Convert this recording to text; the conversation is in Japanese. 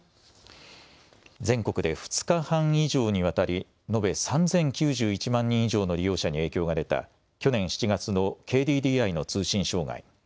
全国で２日半以上にわたり延べ３０９１万人以上の利用者に影響が出た去年７月のＫＤＤＩの通信障害。